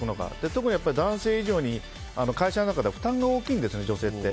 特に男性以上に会社の中では負担が大きいんですね、女性って。